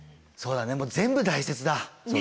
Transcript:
そうだねもう全部大切だ。